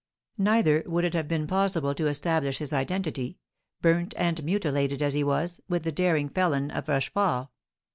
Neither would it have been possible to establish his identity burnt and mutilated as he was with the daring felon of Rochefort.